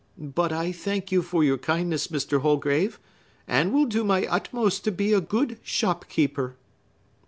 But I thank you for your kindness, Mr. Holgrave, and will do my utmost to be a good shop keeper."